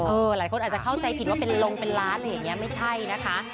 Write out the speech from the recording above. หลายคนอาจจะเข้าใจผิดว่าเป็นลงเป็นล้านอะไรอย่างนี้ไม่ใช่นะคะ